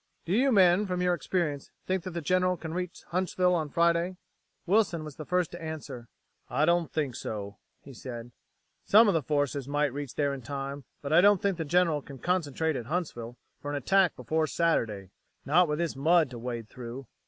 Do you men, from your experience, think that the General can reach Huntsville on Friday?" Wilson was first to answer. "I don't think so," he said. "Some of the forces might reach there in time, but I don't think the General can concentrate at Huntsville for an attack before Saturday. Not with this mud to wade through."